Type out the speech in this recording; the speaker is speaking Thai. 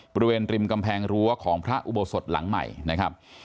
บริเวณริมกำแพงรั้วของพระอุโบสถหลังใหม่นะครับ